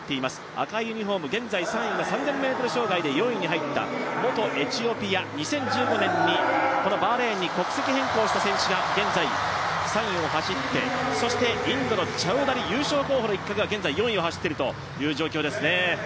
赤いユニフォーム、現在３位が３０００ｍ障害で４位に入った元エチオピア、２０１５年にこのバーレーンに国籍変更した選手が、現在３位を走って、そしてインドのチャウダリ優勝候補の一角が４位を走っているという状況ですね。